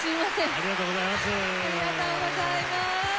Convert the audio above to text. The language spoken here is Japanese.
ありがとうございます。